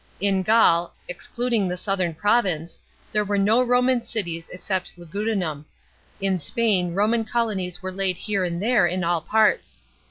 In Gaul, excluding the southern province, there were no Roman cities except Lugudunum ; in Spain Roman colonies were laid here and there in all parts.